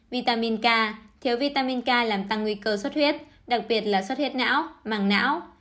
vitamin k thiếu vitamin k làm tăng nguy cơ suất huyết đặc biệt là suất huyết não mảng não